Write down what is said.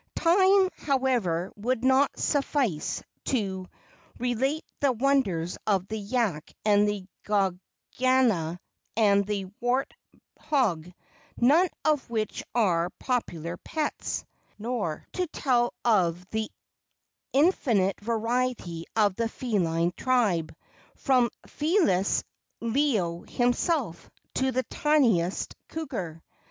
Time, however would not suffice to relate the wonders of the yak and guayga and the wart hog, none of which are popular pets, nor to tell of the infinite variety of the feline tribe, from felis leo himself to the tiniest cougar.